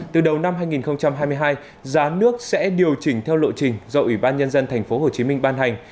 từ đầu năm hai nghìn hai mươi hai giá nước sẽ điều chỉnh theo lộ trình do ủy ban nhân dân tp hcm ban hành